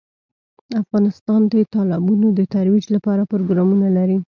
افغانستان د تالابونو د ترویج لپاره پروګرامونه لري.